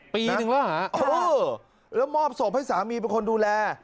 ปีถึงแล้วหรอค่ะอ้อแล้วมอบสมให้สามีเป็นคนดูแล